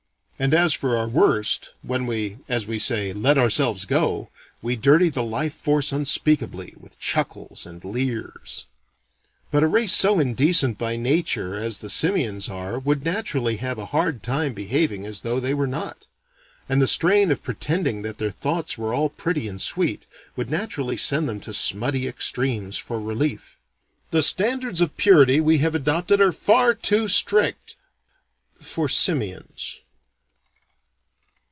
And as for our worst, when we as we say let ourselves go, we dirty the life force unspeakably, with chuckles and leers. But a race so indecent by nature as the simians are would naturally have a hard time behaving as though they were not: and the strain of pretending that their thoughts were all pretty and sweet, would naturally send them to smutty extremes for relief. The standards of purity we have adopted are far too strict for simians.